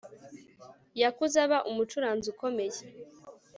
Yakuze aba umucuranzi ukomeye